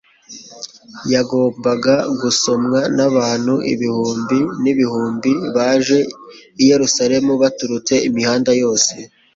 yagombaga gusomwa n'abanut ibihutnbi n'ibihumbi baje i Yerusalemu baturutse imihanda yose.